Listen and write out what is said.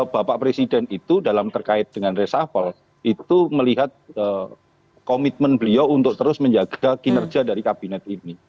bapak presiden itu dalam terkait dengan resapel itu melihat komitmen beliau untuk terus menjaga kinerja dari kabinet ini